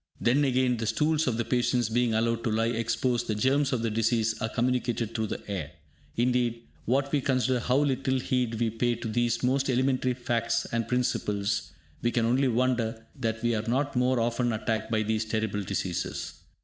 Then again, the stools of the patients being allowed to lie exposed, the germs of the disease are communicated through the air. Indeed, when we consider how little heed we pay to these most elementary facts and principles, we can only wonder that we are not more often attacked by these terrible diseases.